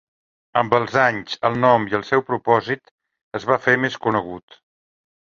Amb els anys el nom i el seu propòsit es va fer més conegut.